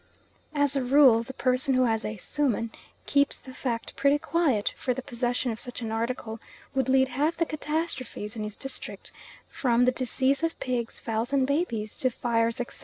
As a rule the person who has a suhman keeps the fact pretty quiet, for the possession of such an article would lead half the catastrophes in his district, from the decease of pigs, fowls, and babies, to fires, etc.